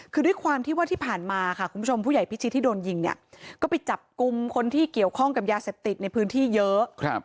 คือด้วยความที่ว่าที่ผ่านมาค่ะคุณผู้ชมผู้ใหญ่พิชิตที่โดนยิงเนี่ยก็ไปจับกลุ่มคนที่เกี่ยวข้องกับยาเสพติดในพื้นที่เยอะ